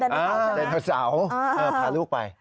พาเด็กเด็กสาวพาลูกไป